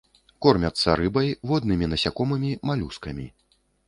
Кормяцца рыбай, воднымі насякомымі, малюскамі.